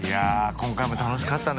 今回も楽しかったね。